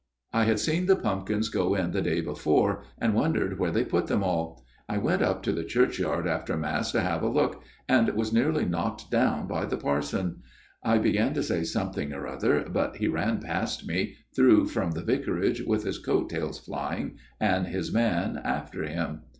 I had seen the pumpkins go in the day before, and wondered where they put them all. I went up to the churchyard after Mass to have a look, and was nearly knocked down by the parson. I began to say something or other, but he ran past me, through from the vicarage, with his coat tails flying and his man after him.